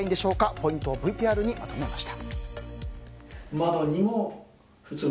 ポイントをＶＴＲにまとめました。